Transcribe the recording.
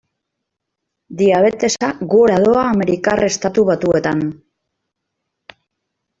Diabetesa gora doa Amerikar Estatu Batuetan.